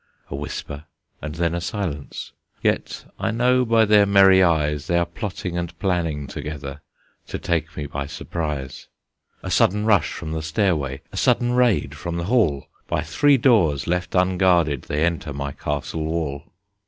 A whisper, and then a silence: Yet I know by their merry eyes They are plotting and planning together To take me by surprise. A sudden rush from the stairway, A sudden raid from the hall! By three doors left unguarded They enter my castle wall!